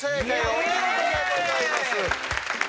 お見事でございます！